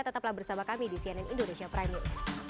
tetaplah bersama kami di cnn indonesia premium